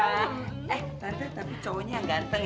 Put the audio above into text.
eh tante tapi cowoknya yang ganteng ya